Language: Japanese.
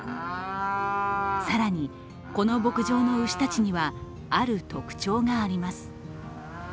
更に、この牧場の牛たちにはある特徴があります。